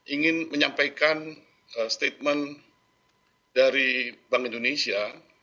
ingin menyampaikan statement dari bank indonesia